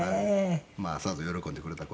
まあさぞ喜んでくれた事だと。